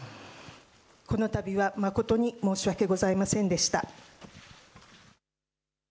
このたびは誠に申し訳ございませんでした。